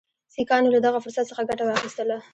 سیکهانو له دغه فرصت څخه ګټه واخیستله.